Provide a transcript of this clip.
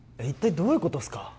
一体どういうことっすか？